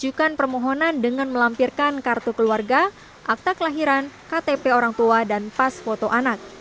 mengajukan permohonan dengan melampirkan kartu keluarga akta kelahiran ktp orang tua dan pas foto anak